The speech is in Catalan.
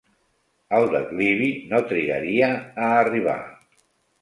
El declivi no trigaria a arribar.